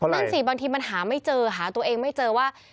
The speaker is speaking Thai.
นั่นสิบางทีมันหาไม่เจอหาตัวเองไม่เจอว่า